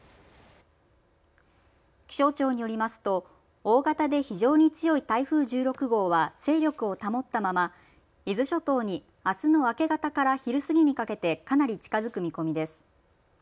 気象庁によりますと大型で非常に強い台風１６号は勢力を保ったまま伊豆諸島にあすの明け方から昼過ぎにかけてかなり近づく見込みです。